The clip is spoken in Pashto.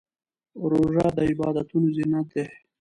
روژه د عبادتونو زینت دی.